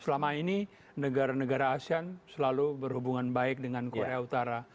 selama ini negara negara asean selalu berhubungan baik dengan korea utara